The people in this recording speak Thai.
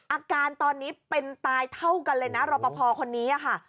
อาการตอนนี้เป็นตายเท่ากันเลยนะรอปภคนนี้ค่ะ